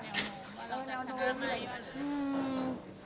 เราจะสู้อะไรกัน